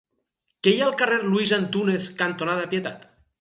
Què hi ha al carrer Luis Antúnez cantonada Pietat?